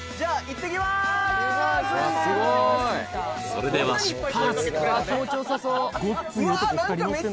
そうそれでは出発！